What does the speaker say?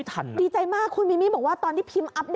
แล้วเดี๋ยวค่อยไปตรงนั้นก็ได้ครับ